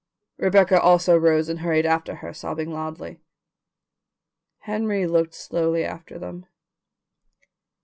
Rebecca also rose and hurried after her, sobbing loudly. Henry looked slowly after them.